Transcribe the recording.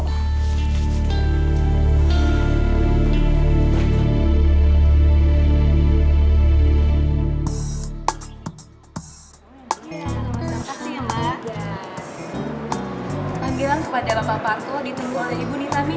panggilan ke pak jalan paparto ditunggu oleh ibu nita midi